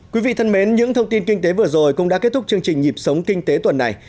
quý vị thân mến những thông tin kinh tế vừa rồi cũng đã kết thúc chương trình nhịp sống kinh tế tuần này